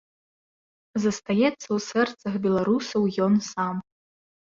Застаецца ў сэрцах беларусаў ён сам.